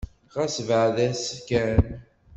Ɣas beɛɛed-as kan.